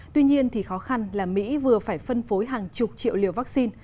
tuy nhiên khó khăn là mỹ vừa phải phân phối hàng chục triệu liều vaccine